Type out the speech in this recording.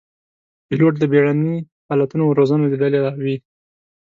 پیلوټ د بېړني حالتونو روزنه لیدلې وي.